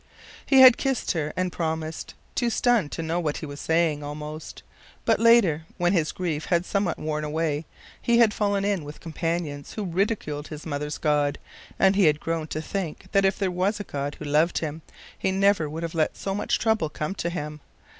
He had kissed her and promised, too stunned to know what he was saying, almost; but later, when his grief had somewhat worn away, he had fallen in with companions who ridiculed his mother's God, and he had grown to think that if there was a God who loved him, he never would have let so much trouble come to him.